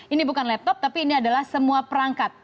ini bukan laptop tapi ini adalah semua perangkat